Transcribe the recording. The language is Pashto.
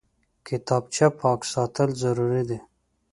کتابچه پاک ساتل ضروري دي